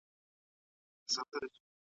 دوی د نژدې اجسامو موندلو لپاره کار کوي.